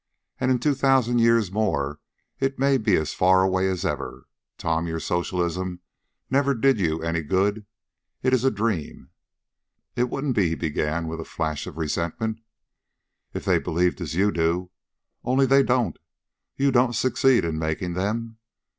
And in two thousand years more it may be as far away as ever. Tom, your socialism never did you any good. It is a dream." "It wouldn't be if " he began with a flash of resentment. "If they believed as you do. Only they don't. You don't succeed in making them."